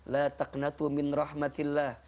la taqnatu min rahmatillah